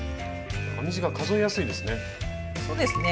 編み地が数えやすいですね。